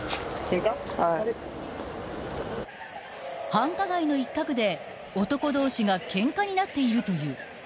［繁華街の一角で男同士がケンカになっているという］